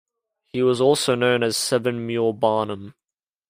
He was also known as Seven Mule Barnum.